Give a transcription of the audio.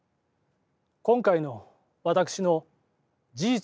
今回の私の事実